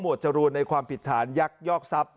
จรูนในความผิดฐานยักยอกทรัพย